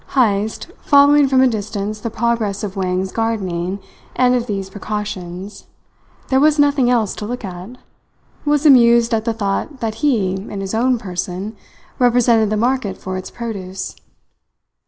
Heyst, following from a distance the progress of Wang's gardening and of these precautions there was nothing else to look at was amused at the thought that he, in his own person, represented the market for its produce.